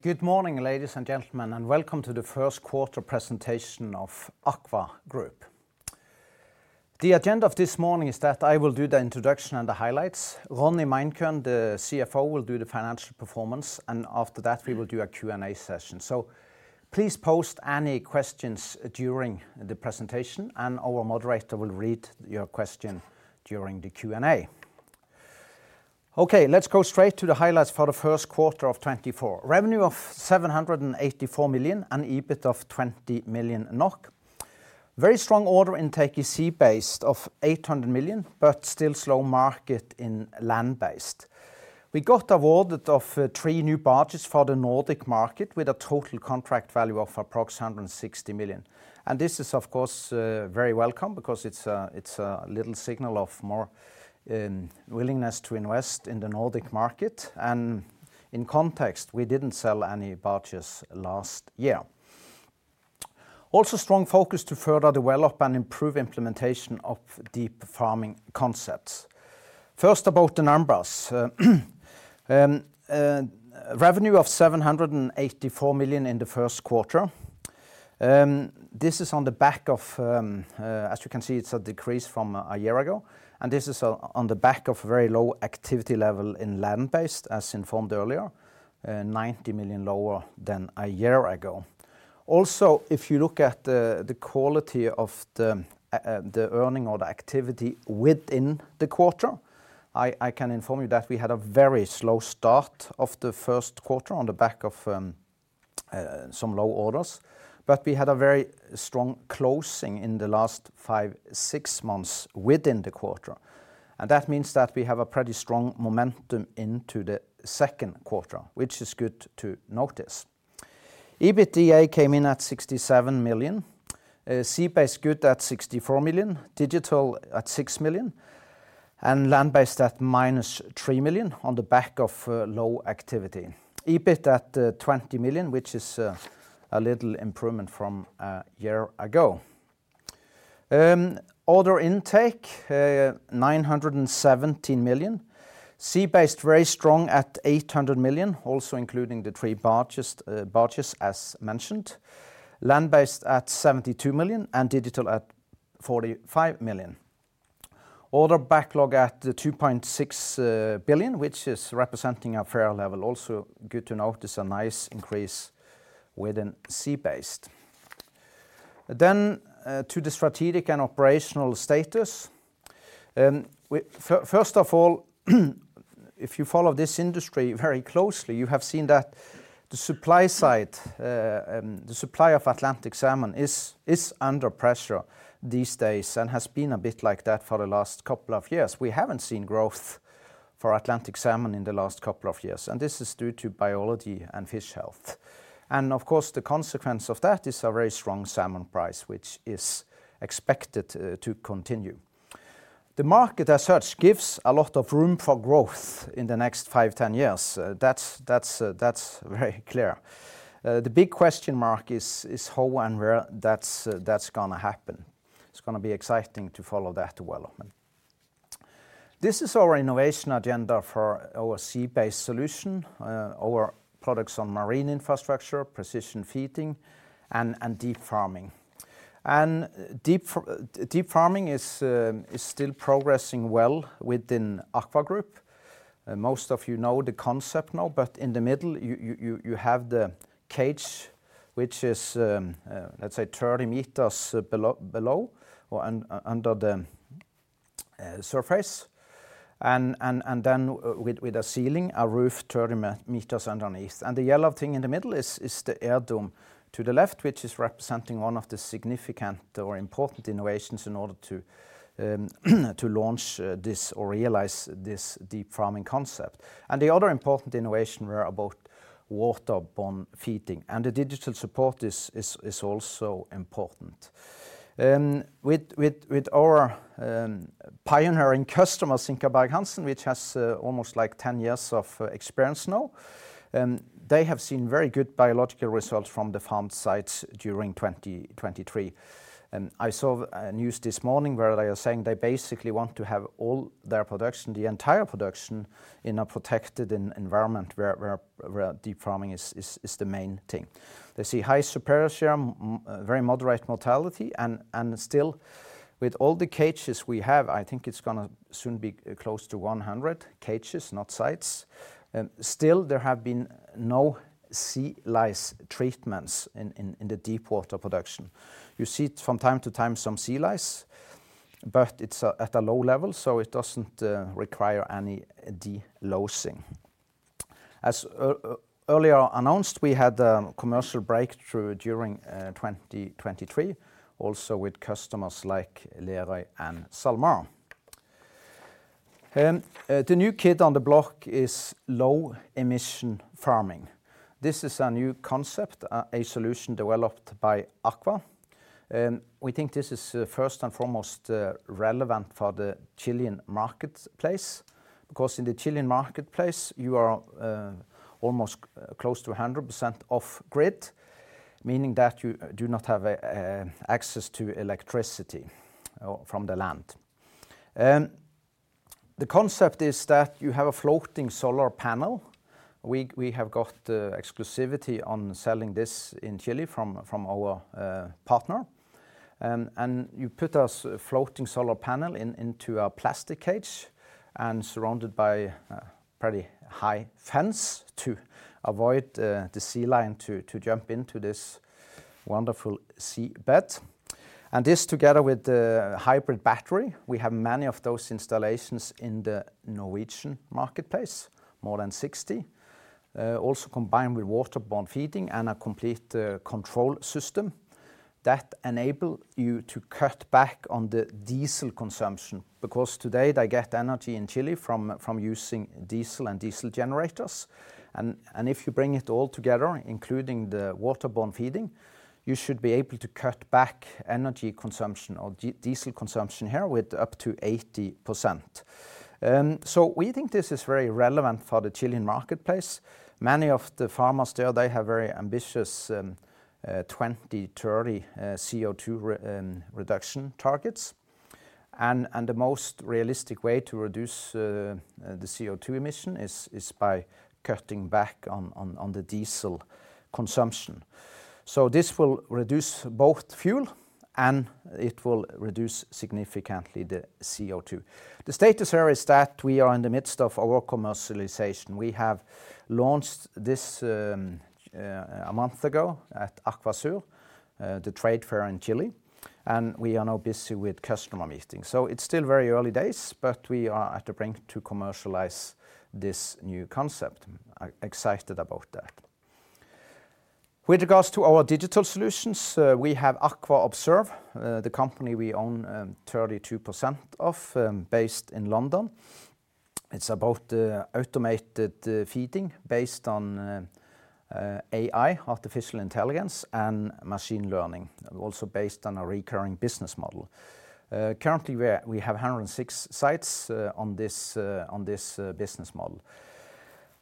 Good morning, ladies and gentlemen, and welcome to the first quarter presentation of AKVA Group. The agenda of this morning is that I will do the introduction and the highlights. Ronny Meinkøhn, the CFO, will do the financial performance, and after that, we will do a Q&A session. So please post any questions during the presentation, and our moderator will read your question during the Q&A. Okay, let's go straight to the highlights for the first quarter of 2024. Revenue of 784 million and EBIT of 20 million NOK. Very strong order intake in Sea Based of 800 million, but still slow market in Land Based. We got awarded of three new barges for the Nordic market, with a total contract value of approx 160 million. And this is, of course, very welcome because it's a, it's a little signal of more, willingness to invest in the Nordic market, and in context, we didn't sell any barges last year. Also, strong focus to further develop and improve implementation of deep farming concepts. First, about the numbers. Revenue of 784 million in the first quarter. This is on the back of, as you can see, it's a decrease from a year ago, and this is on, on the back of very low activity level in Land Based, as informed earlier, 90 million lower than a year ago. Also, if you look at the quality of the earning or the activity within the quarter, I can inform you that we had a very slow start of the first quarter on the back of some low orders, but we had a very strong closing in the last five, six months within the quarter. And that means that we have a pretty strong momentum into the second quarter, which is good to notice. EBITDA came in at 67 million. Sea Based good at 64 million, Digital at 6 million, and Land Based at -3 million on the back of low activity. EBIT at 20 million, which is a little improvement from a year ago. Order intake 917 million. Sea Based, very strong at 800 million, also including the 3 barges, as mentioned. Land Based at 72 million and Digital at 45 million. Order backlog at 2.6 billion, which is representing a fair level. Also good to notice a nice increase within Sea Based. Then, to the strategic and operational status. First of all, if you follow this industry very closely, you have seen that the supply side, the supply of Atlantic salmon is under pressure these days and has been a bit like that for the last couple of years. We haven't seen growth for Atlantic salmon in the last couple of years, and this is due to biology and fish health. And of course, the consequence of that is a very strong salmon price, which is expected to continue. The market, as such, gives a lot of room for growth in the next five, 10 years. That's very clear. The big question mark is how and where that's gonna happen. It's gonna be exciting to follow that development. This is our innovation agenda for our Sea Based solution, our products on marine infrastructure, precision feeding, and deep farming. Deep farming is still progressing well within AKVA Group. Most of you know the concept now, but in the middle, you have the cage, which is, let's say 30 meters below or under the surface, and then with a ceiling, a roof 30 meters underneath. And the yellow thing in the middle is the air dome to the left, which is representing one of the significant or important innovations in order to launch this or realize this deep farming concept. And the other important innovation were about waterborne feeding, and the Digital support is also important. With our pioneering customers in SinkabergHansen, which has almost like 10 years of experience now, they have seen very good biological results from the farm sites during 2023. And I saw a news this morning where they are saying they basically want to have all their production, the entire production, in a protected environment where deep farming is the main thing. They see high superiority, very moderate mortality, and still, with all the cages we have, I think it's gonna soon be close to 100 cages, not sites, still, there have been no sea lice treatments in the deep water production. You see it from time to time, some sea lice, but it's at a low level, so it doesn't require any delousing. As earlier announced, we had a commercial breakthrough during 2023, also with customers like Lerøy and SalMar. The new kid on the block is low-emission farming. This is a new concept, a solution developed by AKVA. We think this is first and foremost relevant for the Chilean marketplace, because in the Chilean marketplace, you are almost close to 100% off grid, meaning that you do not have access to electricity from the land. The concept is that you have a floating solar panel. We have got the exclusivity on selling this in Chile from our partner. And you put a floating solar panel into a plastic cage and surrounded by a pretty high fence to avoid the sea lion to jump into this wonderful sea bed. This, together with the hybrid battery, we have many of those installations in the Norwegian marketplace, more than 60, also combined with waterborne feeding and a complete control system that enable you to cut back on the diesel consumption, because today they get energy in Chile from using diesel and diesel generators. And if you bring it all together, including the waterborne feeding, you should be able to cut back energy consumption or diesel consumption here with up to 80%. So we think this is very relevant for the Chilean marketplace. Many of the farmers there, they have very ambitious 20, 30 CO₂ reduction targets. And the most realistic way to reduce the CO₂ emission is by cutting back on the diesel consumption. So this will reduce both fuel, and it will reduce significantly the CO₂. The status here is that we are in the midst of our commercialization. We have launched this, a month ago at AquaSur, the trade fair in Chile, and we are now busy with customer meetings. So it's still very early days, but we are at the brink to commercialize this new concept. I'm excited about that. With regards to our Digital solutions, we have AKVA Observe, the company we own, 32% of, based in London. It's about automated feeding based on AI, artificial intelligence, and machine learning, also based on a recurring business model. Currently, we have 106 sites on this business model.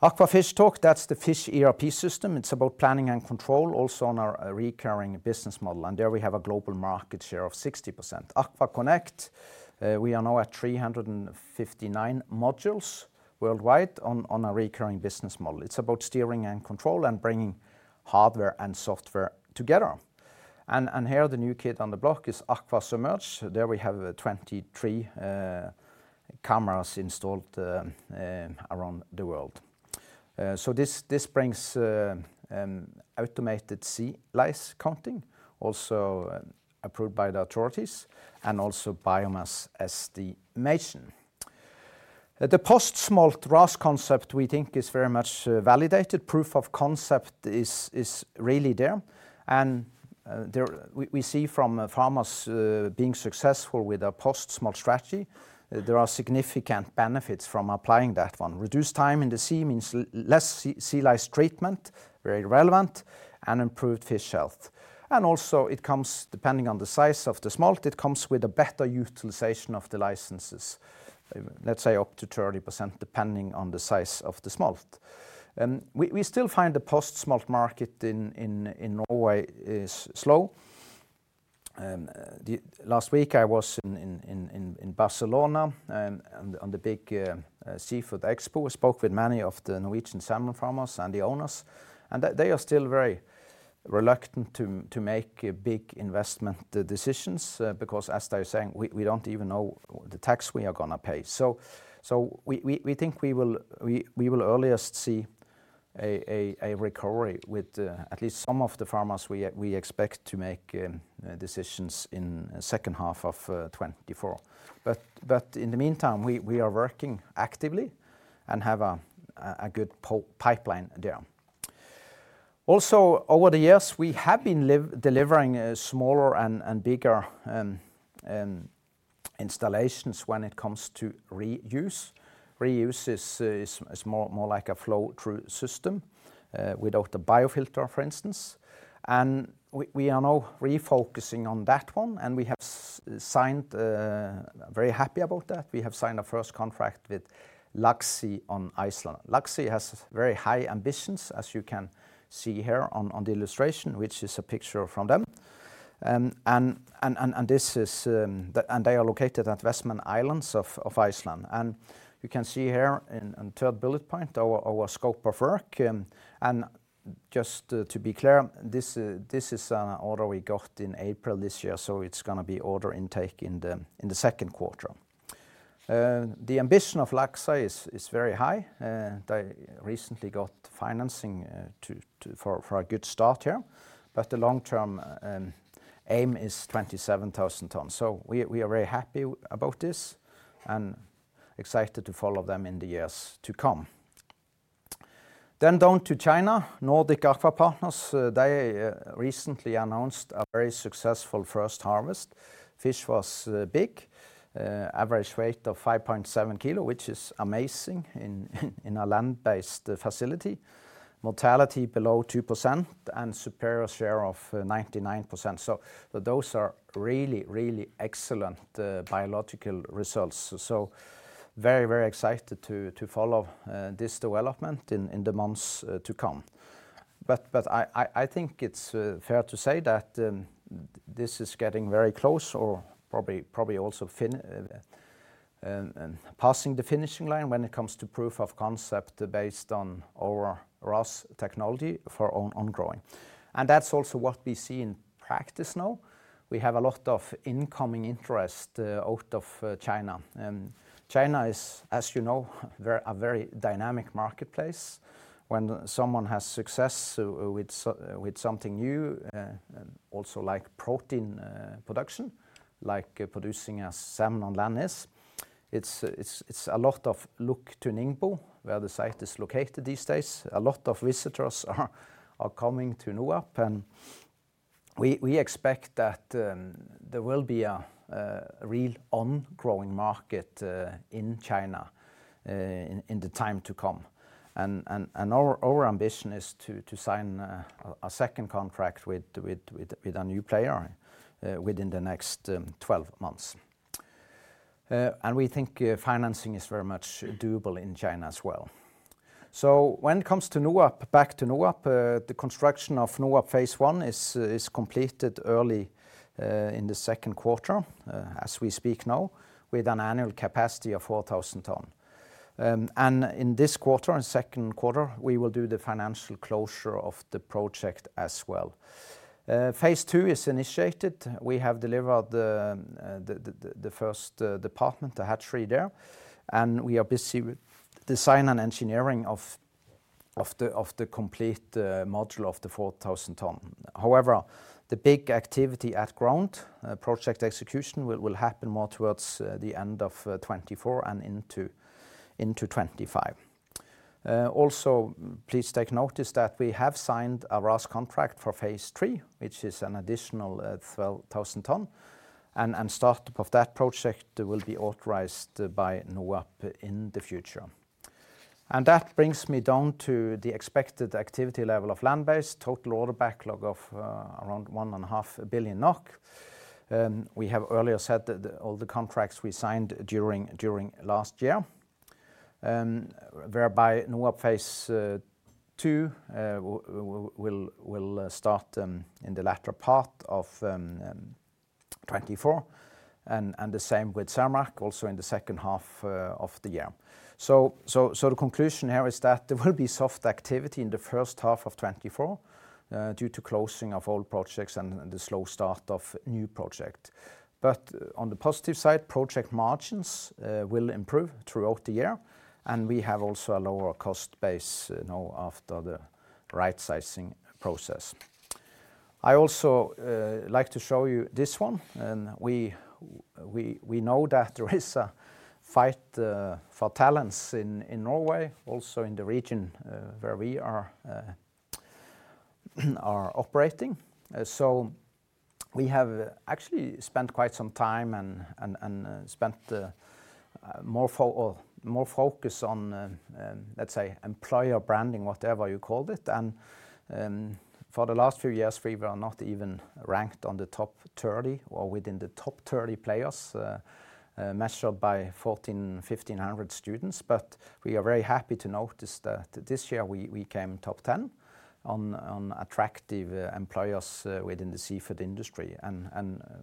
AKVA FishTalk, that's the fish ERP system. It's about planning and control, also on a recurring business model, and there we have a global market share of 60%. AKVA Connect, we are now at 359 modules worldwide on a recurring business model. It's about steering and control and bringing hardware and software together. And here, the new kid on the block is AKVA Submerge. There we have 23 cameras installed around the world. So this brings automated sea lice counting, also approved by the authorities, and also biomass estimation. The post-smolt RAS concept, we think, is very much validated. Proof of concept is really there, and there we see from farmers being successful with a post-smolt strategy. There are significant benefits from applying that one. Reduced time in the sea means less sea lice treatment, very relevant, and improved fish health. And also it comes, depending on the size of the smolt, it comes with a better utilization of the licenses, let's say up to 30%, depending on the size of the smolt. We still find the post-smolt market in Norway is slow. Last week, I was in Barcelona on the big seafood expo. Spoke with many of the Norwegian salmon farmers and the owners, and they, they are still very reluctant to, to make, big investment decisions, because as they're saying, "We, we don't even know the tax we are gonna pay." So, so we, we, we think we will, we, we will earliest see a, a, a recovery with, at least some of the farmers we we expect to make, decisions in second half of 2024. But, but in the meantime, we, we are working actively and have a, a, a good pipeline there. Also, over the years, we have been delivering, smaller and, and bigger, installations when it comes to reuse. Reuse is, is, is more, more like a flow-through system, without a biofilter, for instance. We are now refocusing on that one, and we have signed, very happy about that. We have signed a first contract with Laxey in Iceland. Laxey has very high ambitions, as you can see here on the illustration, which is a picture from them. And this is, and they are located at Westman Islands of Iceland. You can see here in third bullet point, our scope of work. Just to be clear, this is an order we got in April this year, so it's gonna be order intake in the second quarter. The ambition of Laxey is very high. They recently got financing to for a good start here, but the long-term aim is 27,000 tons. So we are very happy about this and excited to follow them in the years to come. Then down to China, Nordic Aqua Partners, they recently announced a very successful first harvest. Fish was big, average weight of 5.7 kilo, which is amazing in a Land Based facility. Mortality below 2% and superior share of 99%, so those are really, really excellent biological results. So very, very excited to follow this development in the months to come. But I think it's fair to say that this is getting very close or probably also finishing passing the finishing line when it comes to proof of concept based on our RAS technology for ongrowing. And that's also what we see in practice now. We have a lot of incoming interest out of China. And China is, as you know, a very dynamic marketplace. When someone has success with something new, also like protein production, like producing a salmon on land is, it's a lot of look to Ningbo, where the site is located these days. A lot of visitors are coming to NOAP, and we expect that there will be a real ongrowing market in China, in the time to come. And our ambition is to sign a second contract with a new player within the next 12 months. And we think financing is very much doable in China as well. So when it comes to NOAP, back to NOAP, the construction of NOAP phase one is completed early in the second quarter, as we speak now, with an annual capacity of 4,000 tons. And in this quarter, in second quarter, we will do the financial closure of the project as well. Phase two is initiated. We have delivered the first department, the hatchery there, and we are busy with design and engineering of the complete module of the 4,000 tons. However, the big activity at ground, project execution will happen more towards the end of 2024 and into 2025. Also, please take notice that we have signed a RAS contract for phase three, which is an additional 12,000 ton, and startup of that project will be authorized by NOAP in the future. And that brings me down to the expected activity level of Land Based, total order backlog of around 1.5 billion NOK. We have earlier said that all the contracts we signed during last year, whereby NOAP phase two will start in the latter part of 2024, and the same with Cermaq, also in the second half of the year. So the conclusion here is that there will be soft activity in the first half of 2024 due to closing of old projects and the slow start of new project. But on the positive side, project margins will improve throughout the year, and we have also a lower cost base, you know, after the right-sizing process. I also like to show you this one, and we know that there is a fight for talents in Norway, also in the region where we are operating. So we have actually spent quite some time and spent more focus on, let's say, employer branding, whatever you call it. And for the last few years, we were not even ranked on the top 30 or within the top 30 players, measured by 1,400-1,500 students. But we are very happy to notice that this year we came top 10 on attractive employers within the seafood industry.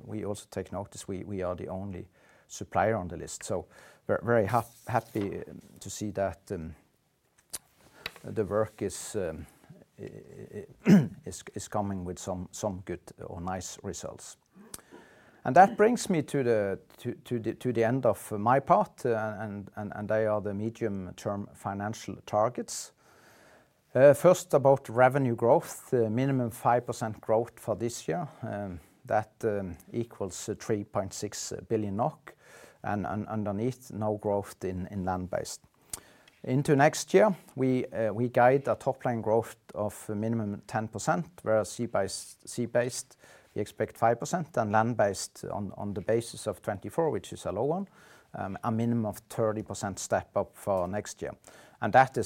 We also take notice. We are the only supplier on the list, so very happy to see that the work is coming with some good or nice results. That brings me to the end of my part, and they are the medium-term financial targets. First, about revenue growth, the minimum 5% growth for this year, that equals 3.6 billion NOK, and underneath, no growth in Land Based. Into next year, we guide a top-line growth of a minimum 10%, whereas Sea Based, we expect 5% and Land Based on the basis of 2024, which is a low one, a minimum of 30% step-up for next year. That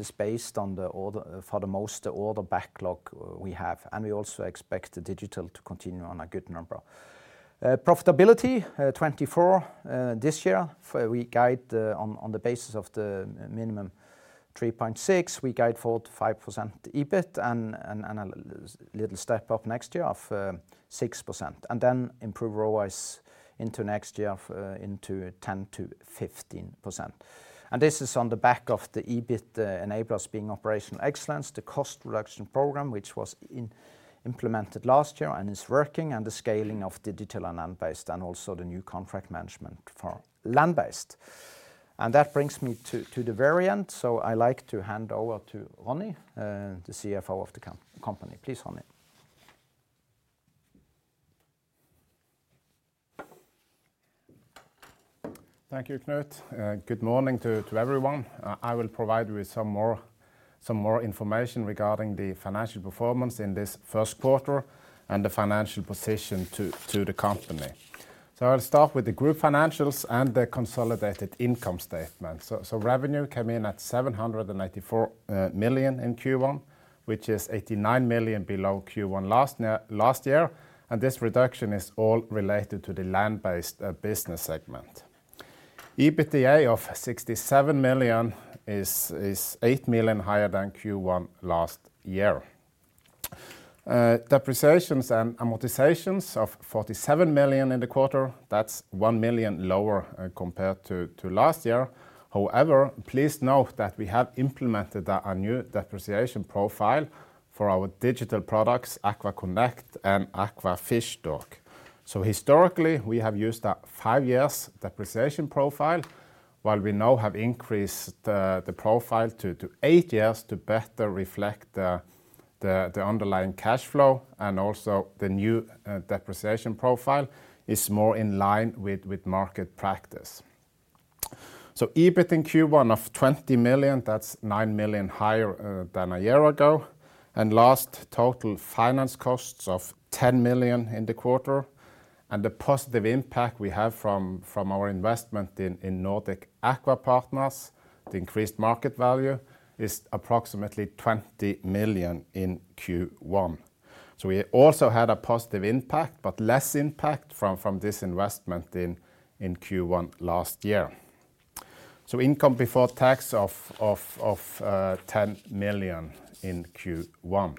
is based on the order, for the most order backlog we have, and we also expect the Digital to continue on a good number. Profitability, 2024, this year, we guide on the basis of the minimum 3.6, we guide 4%-5% EBIT and a little step up next year of 6%, and then improve ROACE into next year of into 10%-15%. This is on the back of the EBIT enablers being operational excellence, the cost reduction program, which was implemented last year and is working, and the scaling of Digital and Land Based, and also the new contract management for Land Based. That brings me to the very end. I'd like to hand over to Ronny, the CFO of the company. Please, Ronny. Thank you, Knut. Good morning to everyone. I will provide you with some more information regarding the financial performance in this first quarter and the financial position to the company. So I'll start with the group financials and the consolidated income statement. So revenue came in at 794 million in Q1, which is 89 million below Q1 last year, and this reduction is all related to the Land Based business segment. EBITDA of 67 million is eight million higher than Q1 last year. Depreciations and amortizations of 47 million in the quarter, that's 1 million lower compared to last year. However, please note that we have implemented a new depreciation profile for our Digital products, AKVA Connect and AKVA FishTalk. So historically, we have used a five year depreciation profile, while we now have increased the profile to eight years to better reflect the underlying cash flow and also the new depreciation profile is more in line with market practice. So EBIT in Q1 of 20 million, that's 9 million higher than a year ago, and lastly, total finance costs of 10 million in the quarter. And the positive impact we have from our investment in Nordic Aqua Partners, the increased market value is approximately 20 million in Q1. So we also had a positive impact, but less impact from this investment in Q1 last year. So income before tax of 10 million in Q1.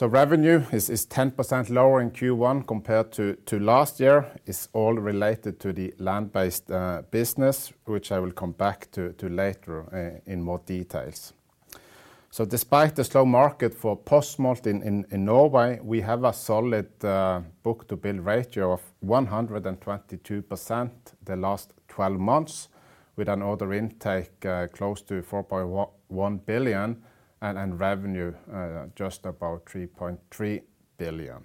Revenue is 10% lower in Q1 compared to last year, is all related to the Land Based business, which I will come back to later in more details. Despite the slow market for post-smolt in Norway, we have a solid book-to-bill ratio of 122% the last twelve months, with an order intake close to 4.01 billion, and in revenue just about 3.3 billion.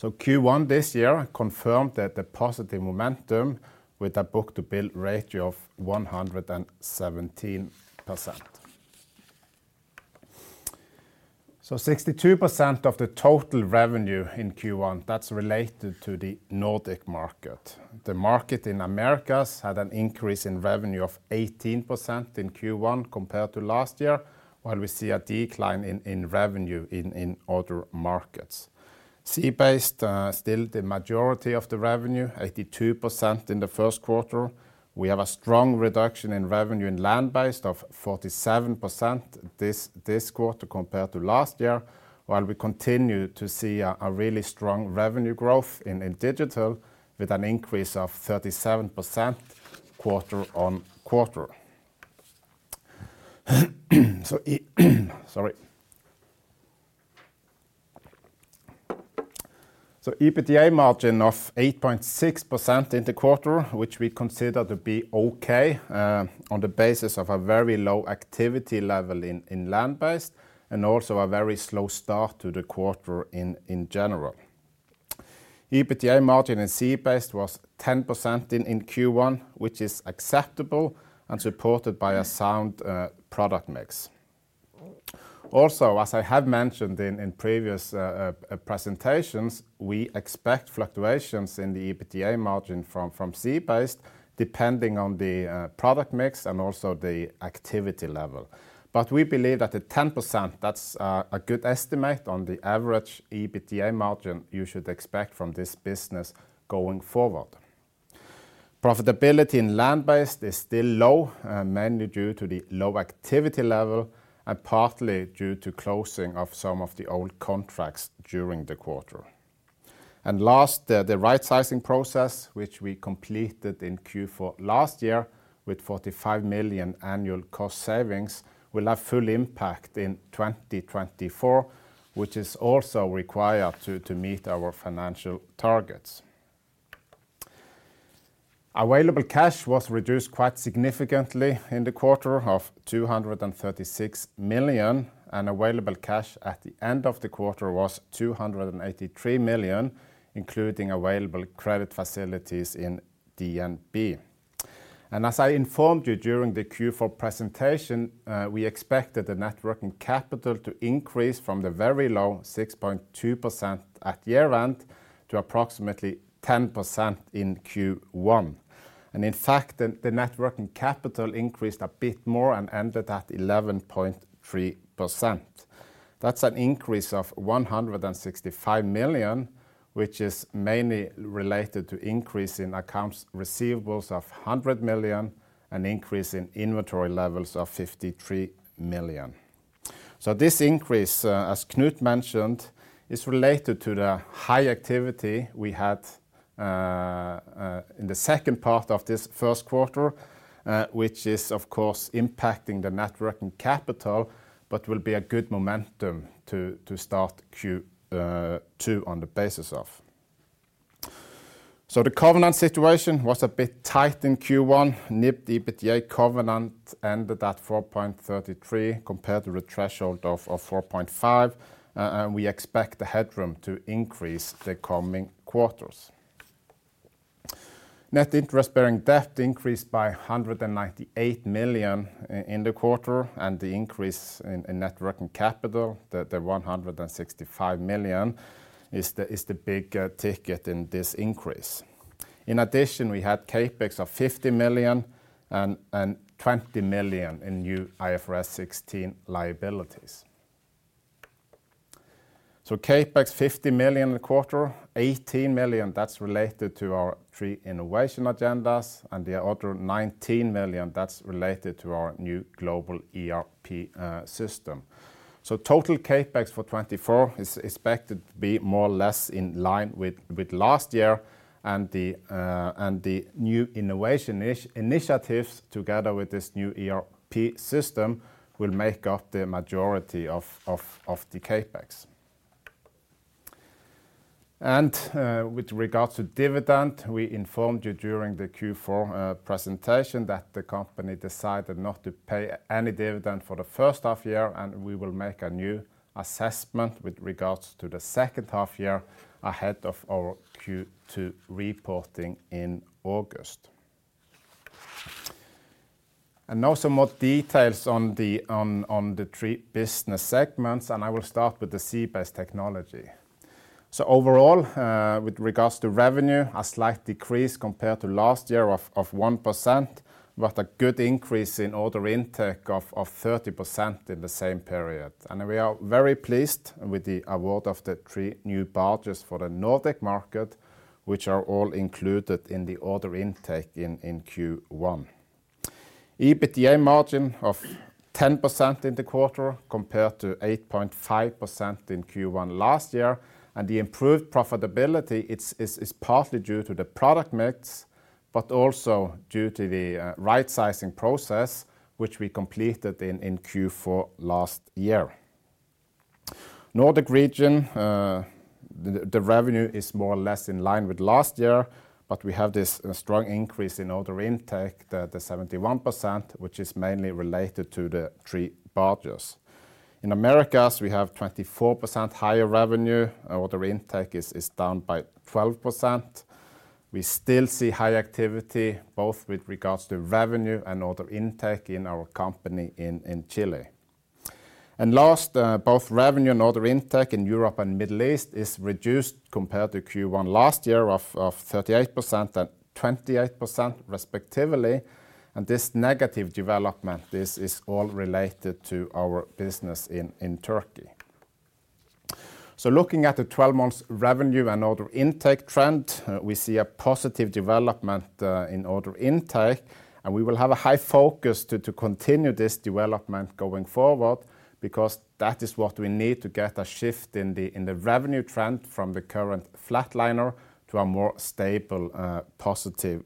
Q1 this year confirmed that the positive momentum with a book-to-bill ratio of 117%. 62% of the total revenue in Q1, that's related to the Nordic market. The market in Americas had an increase in revenue of 18% in Q1 compared to last year, while we see a decline in revenue in other markets. Sea Based still the majority of the revenue, 82% in the first quarter. We have a strong reduction in revenue in Land Based of 47% this quarter compared to last year, while we continue to see a really strong revenue growth in Digital, with an increase of 37% quarter on quarter. So EBITDA margin of 8.6% in the quarter, which we consider to be okay, on the basis of a very low activity level in Land Based, and also a very slow start to the quarter in general. EBITDA margin in Sea Based was 10% in Q1, which is acceptable and supported by a sound product mix. Also, as I have mentioned in, in previous presentations, we expect fluctuations in the EBITDA margin from, from Sea Based, depending on the product mix and also the activity level. But we believe that the 10%, that's a good estimate on the average EBITDA margin you should expect from this business going forward. Profitability in Land Based is still low, mainly due to the low activity level and partly due to closing of some of the old contracts during the quarter. And last, the rightsizing process, which we completed in Q4 last year, with 45 million annual cost savings, will have full impact in 2024, which is also required to meet our financial targets. Available cash was reduced quite significantly in the quarter of 236 million, and available cash at the end of the quarter was 283 million, including available credit facilities in DNB. And as I informed you during the Q4 presentation, we expected the net working capital to increase from the very low 6.2% at year-end to approximately 10% in Q1. And in fact, the net working capital increased a bit more and ended at 11.3%. That's an increase of 165 million, which is mainly related to increase in accounts receivables of 100 million and increase in inventory levels of 53 million. So this increase, as Knut mentioned, is related to the high activity we had in the second part of this first quarter, which is of course impacting the net working capital, but will be a good momentum to start Q2 on the basis of. So the covenant situation was a bit tight in Q1. NIBD/EBITDA covenant ended at 4.33 compared to the threshold of 4.5, and we expect the headroom to increase the coming quarters. Net interest bearing debt increased by 198 million in the quarter, and the increase in net working capital, the 165 million, is the big ticket in this increase. In addition, we had CapEx of 50 million and 20 million in new IFRS 16 liabilities. So CapEx 50 million a quarter, 18 million that's related to our three innovation agendas, and the other 19 million, that's related to our new global ERP system. So total CapEx for 2024 is expected to be more or less in line with last year, and the new innovation initiatives, together with this new ERP system, will make up the majority of the CapEx. And with regards to dividend, we informed you during the Q4 presentation that the company decided not to pay any dividend for the first half year, and we will make a new assessment with regards to the second half year ahead of our Q2 reporting in August. And now some more details on the three business segments, and I will start with the Sea Based Technology. So overall, with regards to revenue, a slight decrease compared to last year of 1%, but a good increase in order intake of 30% in the same period. We are very pleased with the award of the three new barges for the Nordic market, which are all included in the order intake in Q1. EBITDA margin of 10% in the quarter, compared to 8.5% in Q1 last year, and the improved profitability is partly due to the product mix, but also due to the right-sizing process, which we completed in Q4 last year. Nordic region, the revenue is more or less in line with last year, but we have this strong increase in order intake, the 71%, which is mainly related to the three barges. In Americas, we have 24% higher revenue. Our order intake is down by 12%. We still see high activity, both with regards to revenue and order intake in our company in Chile. And last, both revenue and order intake in Europe and Middle East is reduced compared to Q1 last year of 38% and 28% respectively, and this negative development, this is all related to our business in Turkey. So looking at the 12 months revenue and order intake trend, we see a positive development in order intake, and we will have a high focus to continue this development going forward, because that is what we need to get a shift in the revenue trend from the current flatliner to a more stable positive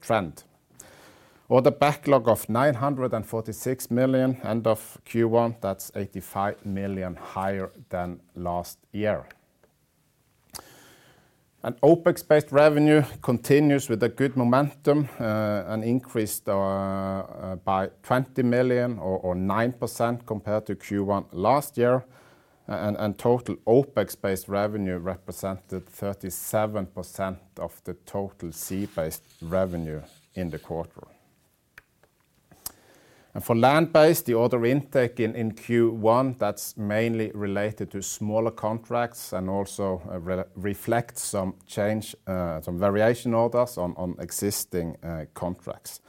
trend. Order backlog of 946 million, end of Q1, that's 85 million higher than last year. OpEx-based revenue continues with a good momentum and increased by 20 million or 9% compared to Q1 last year, and total OpEx-based revenue represented 37% of the total Sea Based revenue in the quarter. For Land Based, the order intake in Q1 that's mainly related to smaller contracts and also reflects some change, some variation orders on existing contracts.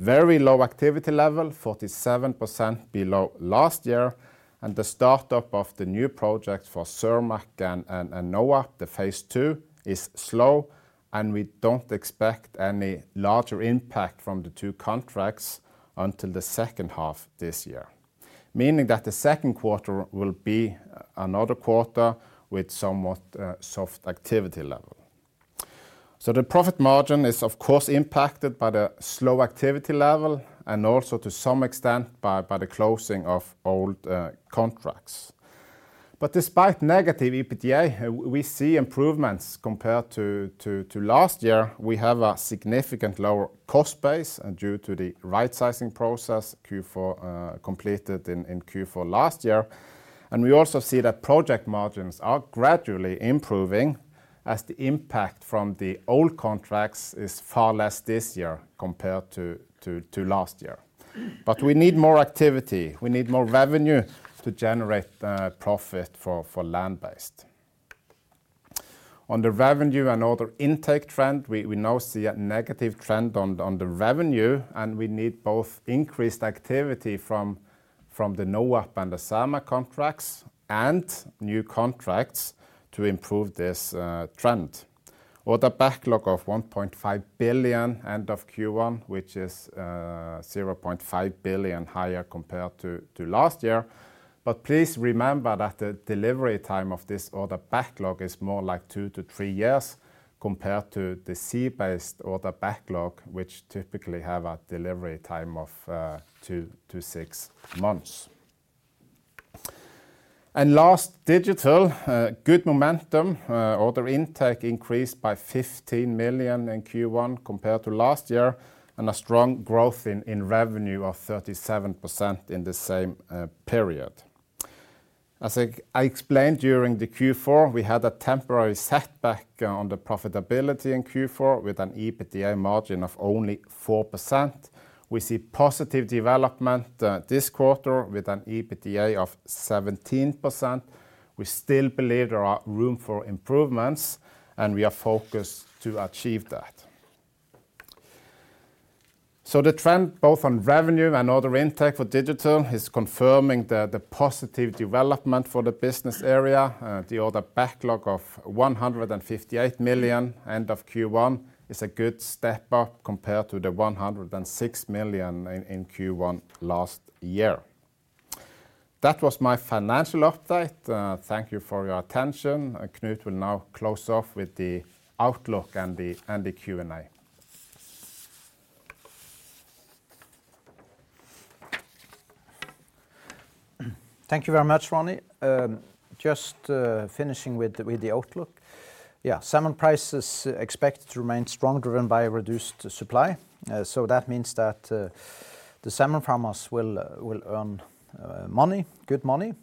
Very low activity level, 47% below last year, and the start-up of the new project for Cermaq and NOAP, the phase two, is slow, and we don't expect any larger impact from the two contracts until the second half this year. Meaning that the second quarter will be another quarter with somewhat soft activity level. So the profit margin is, of course, impacted by the slow activity level and also, to some extent, by the closing of old contracts. But despite negative EBITDA, we see improvements compared to last year. We have a significant lower cost base and due to the right-sizing process, Q4 completed in Q4 last year. And we also see that project margins are gradually improving, as the impact from the old contracts is far less this year compared to last year. But we need more activity. We need more revenue to generate profit for Land Based. On the revenue and order intake trend, we now see a negative trend on the revenue, and we need both increased activity from the NOAP and the Cermaq contracts and new contracts to improve this trend. Order backlog of 1.5 billion, end of Q1, which is 0.5 billion higher compared to last year. But please remember that the delivery time of this order backlog is more like two to three years, compared to the Sea Based order backlog, which typically have a delivery time of two to six months. And last, Digital. Good momentum. Order intake increased by 15 million in Q1 compared to last year, and a strong growth in revenue of 37% in the same period. As I explained during the Q4, we had a temporary setback on the profitability in Q4, with an EBITDA margin of only 4%. We see positive development this quarter with an EBITDA of 17%. We still believe there are room for improvements, and we are focused to achieve that. So the trend both on revenue and order intake for Digital is confirming the positive development for the business area. The order backlog of 158 million end of Q1 is a good step up compared to the 106 million in Q1 last year. That was my financial update. Thank you for your attention. Knut will now close off with the outlook and the Q&A. Thank you very much, Ronny. Just finishing with the outlook. Yeah, salmon prices expected to remain strong, driven by reduced supply. So that means that the salmon farmers will earn money, good money,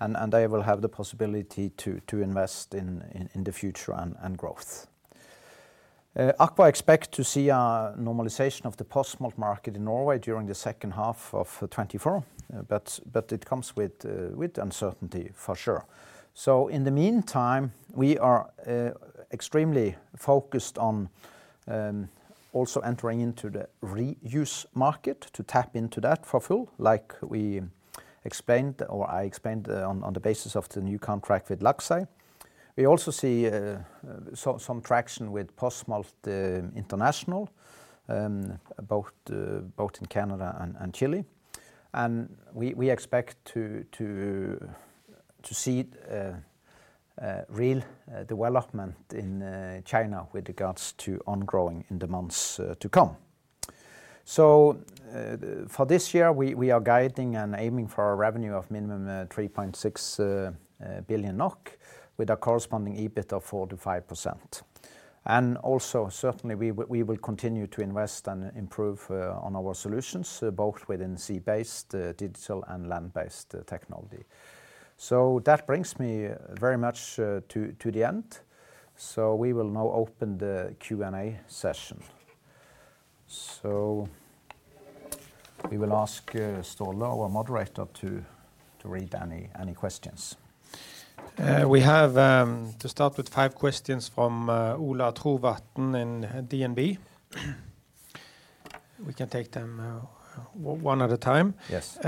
and they will have the possibility to invest in the future and growth. AKVA expect to see a normalization of the post-smolt market in Norway during the second half of 2024. But it comes with uncertainty for sure. So in the meantime, we are extremely focused on also entering into the reuse market to tap into that for full, like we explained or I explained, on the basis of the new contract with Laxey. We also see some traction with post-smolt international, both in Canada and Chile. We expect to see a real development in China with regards to ongrowing in the months to come. So, for this year, we are guiding and aiming for a revenue of minimum 3.6 billion NOK, with a corresponding EBIT of 4%-5%. And also, certainly, we will continue to invest and improve on our solutions both within Sea Based, Digital, and Land Based technology. So that brings me very much to the end. So we will now open the Q&A session. So we will ask Ståle Økland, our moderator, to read any questions. We have to start with five questions from Ola Trovatn in DNB. We can take them one at a time. Yes.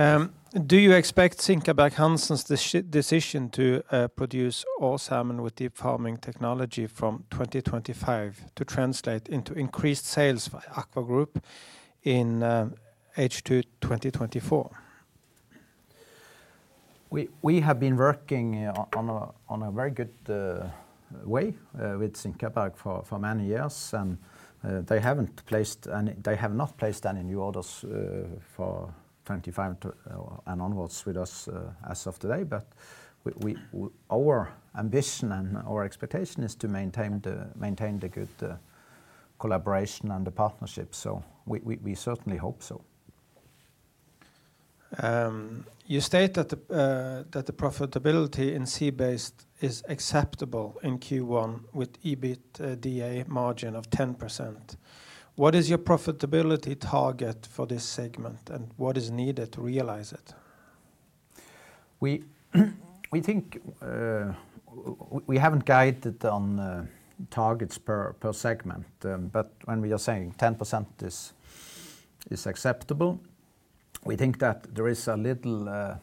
Do you expect SinkabergHansen's decision to produce all salmon with deep farming technology from 2025 to translate into increased sales for AKVA Group in H2 2024? We have been working on a very good way with SinkabergHansen for many years, and they have not placed any new orders for 2025 and onwards with us as of today. But our ambition and our expectation is to maintain the good collaboration and the partnership, so we certainly hope so. You state that the profitability in Sea Based is acceptable in Q1 with EBITDA margin of 10%. What is your profitability target for this segment, and what is needed to realize it? We think we haven't guided on targets per segment, but when we are saying 10% is acceptable, we think that there is a little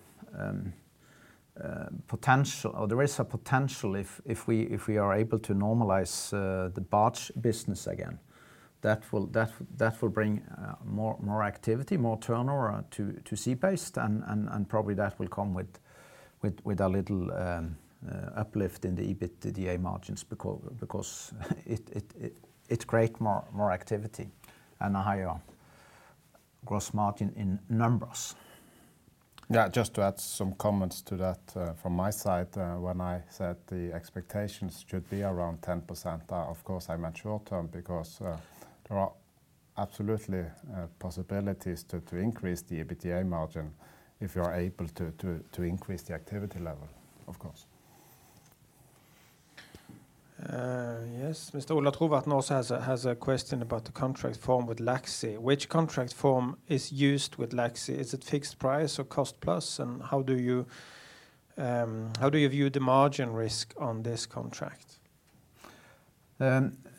potential, or there is a potential if we are able to normalize the barge business again. That will bring more activity, more turnover to Sea Based, and probably that will come with a little uplift in the EBITDA margins, because it create more activity and a higher gross margin in numbers. Yeah, just to add some comments to that, from my side, when I said the expectations should be around 10%, of course, I meant short term, because there are absolutely possibilities to increase the EBITDA margin if you are able to increase the activity level, of course. Yes. Mr. Ola Trovatn also has a question about the contract form with Laxey. Which contract form is used with Laxey? Is it fixed price or cost plus, and how do you view the margin risk on this contract?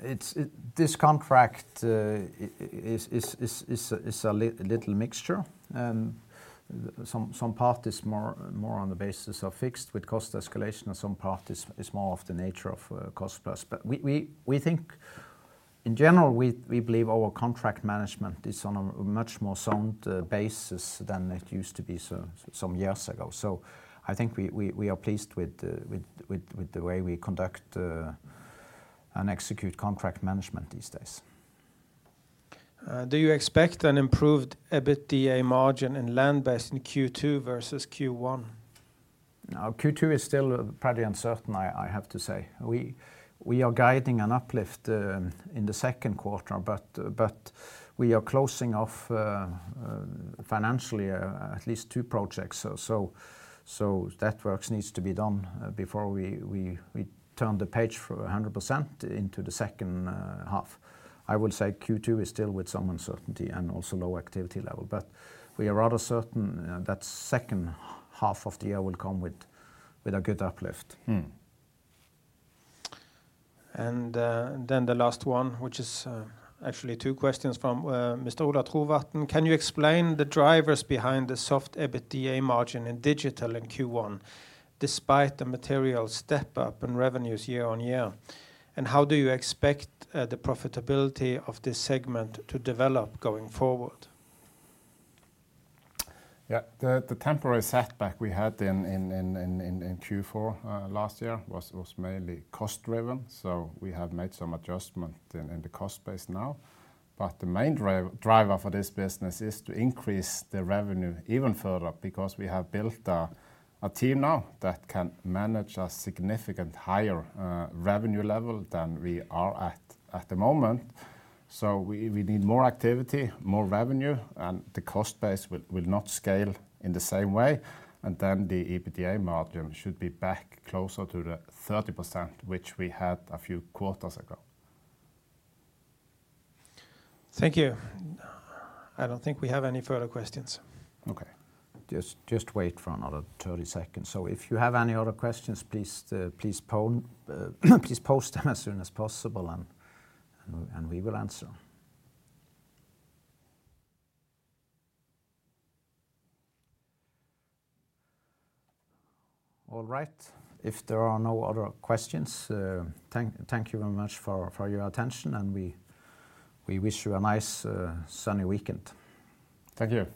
It's this contract is a little mixture, some part is more on the basis of fixed with cost escalation and some part is more of the nature of cost plus. But we think... In general, we believe our contract management is on a much more sound basis than it used to be so some years ago. So I think we are pleased with the way we conduct and execute contract management these days. Do you expect an improved EBITDA margin in Land Based in Q2 versus Q1? No, Q2 is still pretty uncertain, I have to say. We are guiding an uplift in the second quarter, but we are closing off financially at least two projects. So that work needs to be done before we turn the page for 100% into the second half. I will say Q2 is still with some uncertainty and also low activity level, but we are rather certain that second half of the year will come with a good uplift. Mm-hmm. And, then the last one, which is, actually two questions from, Mr. Ola Trovatn: Can you explain the drivers behind the soft EBITDA margin in Digital in Q1, despite the material step up in revenues year-on-year? And how do you expect the profitability of this segment to develop going forward? Yeah. The temporary setback we had in Q4 last year was mainly cost-driven, so we have made some adjustment in the cost base now. But the main driver for this business is to increase the revenue even further, because we have built a team now that can manage a significant higher revenue level than we are at the moment. So we need more activity, more revenue, and the cost base will not scale in the same way, and then the EBITDA margin should be back closer to the 30%, which we had a few quarters ago. Thank you. I don't think we have any further questions. Okay. Just wait for another 30 seconds. So if you have any other questions, please post them as soon as possible, and we will answer. All right. If there are no other questions, thank you very much for your attention, and we wish you a nice sunny weekend. Thank you.